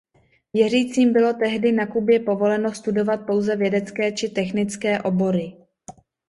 Věřícím bylo tehdy na Kubě povoleno studovat pouze vědecké či technické obory.